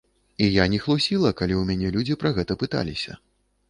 І я не хлусіла, калі ў мяне людзі пра гэта пыталіся.